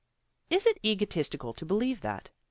Is it egoistical to believe that?